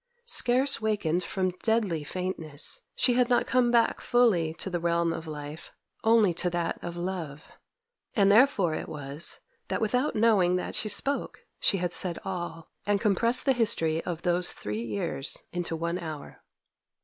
Scarce wakened from deadly faintness, she had not come back fully to the realm of life, only to that of love. And therefore it was, that without knowing that she spoke, she had said all, and compressed the history of those three years into one hour.